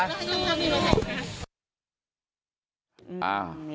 นี่ค่ะ